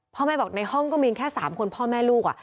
พ่อแม่บอกในห้องก็มีแค่๓คนพ่อแม่ลูก